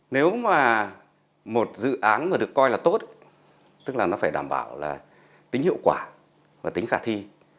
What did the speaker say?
nếu mà một dự án mà được coi là tốt tức là nó phải đảm bảo là tính hiệu quả và tính khả thi